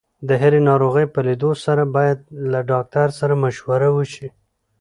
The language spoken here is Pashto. د هرې ناروغۍ په لیدو سره باید له ډاکټر سره مشوره وشي.